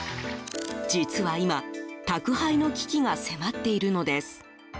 実は今、宅配の危機が迫っているのです。